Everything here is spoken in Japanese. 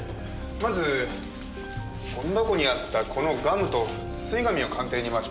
まずゴミ箱にあったこのガムと包み紙を鑑定に回します。